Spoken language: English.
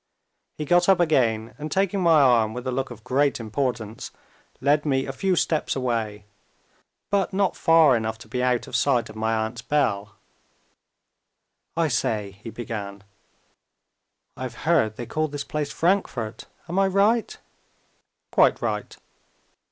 He got up again, and taking my arm with a look of great importance, led me a few steps away but not far enough to be out of sight of my aunt's bell. "I say," he began, "I've heard they call this place Frankfort. Am I right?" "Quite right!"